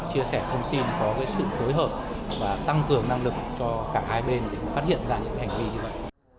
chia sẻ thông tin có sự phối hợp và tăng cường năng lực cho cả hai bên để phát hiện ra những hành vi như vậy